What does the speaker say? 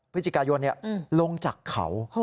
พฤศจิกายนลงจากเขา